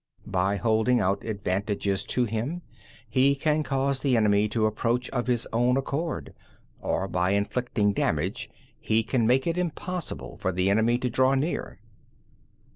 3. By holding out advantages to him, he can cause the enemy to approach of his own accord; or, by inflicting damage, he can make it impossible for the enemy to draw near.